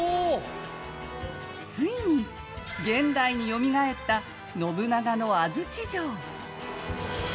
ついに現代によみがえった信長の安土城。